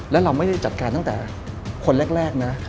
แล้วเราไม่ได้จัดการตั้งแต่คนแรกนะ